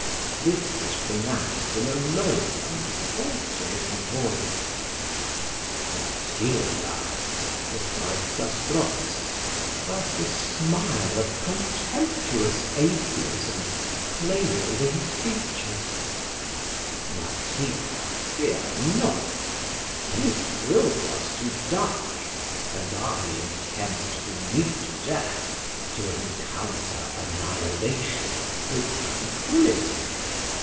This was pronounced in a low and faltering voice. "Matilda," replied Zastrozzi, whilst a smile of contemptuous atheism played over his features "Matilda, fear not: fate wills us to die: and I intend to meet death, to encounter annihilation, with tranquillity.